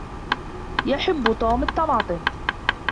يحب توم الطماطم؟